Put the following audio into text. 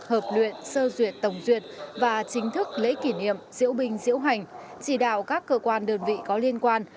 hợp luyện sơ duyệt tổng duyệt và chính thức lễ kỷ niệm diễu binh diễu hành chỉ đạo các cơ quan đơn vị có liên quan